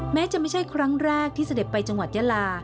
แม้จะไม่ใช่ครั้งแรกที่เสด็จไปจังหวัดยาลา